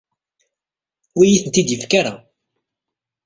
Ur iyi-tent-id yefki ara.